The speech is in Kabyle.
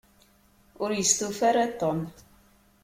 Ur yestufa ara Tom.